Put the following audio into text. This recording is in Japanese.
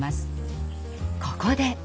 ここで！